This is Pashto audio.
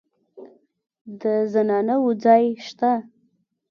د زنانه وو ځای شته.